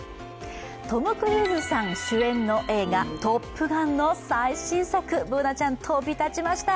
トム・クルーズさん主演の映画「トップガン」の最新作、Ｂｏｏｎａちゃん、飛び立ちました。